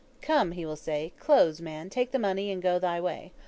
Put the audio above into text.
"Come," he will say, "close, man, take the money and go thy way.